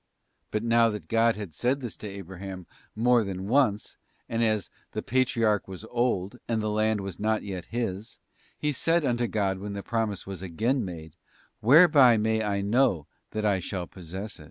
'* But now that God had said this to Abraham more than once, and as the Patriarch was old, and the land not yet his, he said unto God when the promise was again made, ' Whereby may I know that I shall possess it?